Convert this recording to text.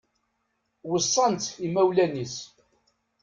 Weṣṣan-tt imawlan-is